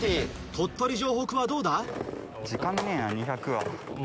鳥取城北はどうだ？